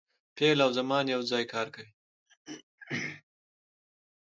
فعل او زمان یو ځای کار کوي.